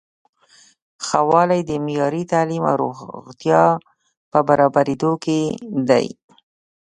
ښه والی د معیاري تعلیم او روغتیا په برابریدو کې دی.